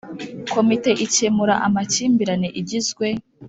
Komite ikemura amakimbirane igizwe